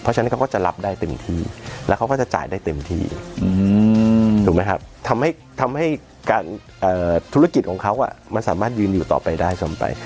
เพราะฉะนั้นเขาก็จะรับได้เต็มที่แล้วเขาก็จะจ่ายได้เต็มที่ถูกไหมครับทำให้การธุรกิจของเขามันสามารถยืนอยู่ต่อไปได้ซ้ำไป